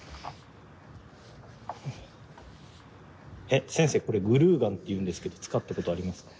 え先生これグルーガンっていうんですけど使ったことありますか？